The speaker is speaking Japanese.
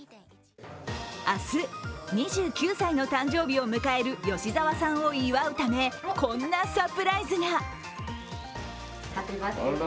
明日、２９歳の誕生日を迎える吉沢さんを祝うためこんなサプライズが！